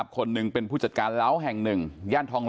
คนหนึ่งเป็นผู้จัดการเล้าแห่ง๑ย่านทองหล